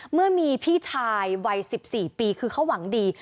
เมื่อมีพี่ชายวัย๑๔ปีคือเขาหวังดี